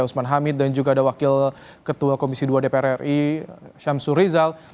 usman hamid dan juga ada wakil ketua komisi dua dpr ri syamsur rizal